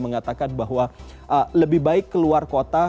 mengatakan bahwa lebih baik keluar kota